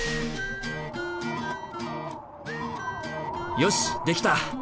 よしできた！